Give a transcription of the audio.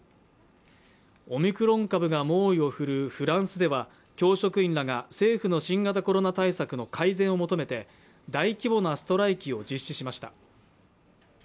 オミクロン株が猛威を振るうフランスでは教職員らが政府の新型コロナ対策の改善を求めて大規模なストライキを実施しました。